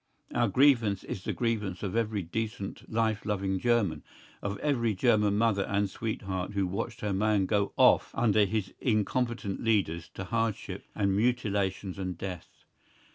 Our grievance is the grievance of every decent life loving German, of every German mother and sweetheart who watched her man go off under his incompetent leaders to hardship and mutilations and death.